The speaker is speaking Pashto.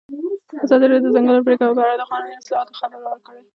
ازادي راډیو د د ځنګلونو پرېکول په اړه د قانوني اصلاحاتو خبر ورکړی.